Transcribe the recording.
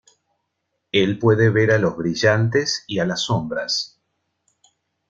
Él puede ver a los brillantes y a las sombras.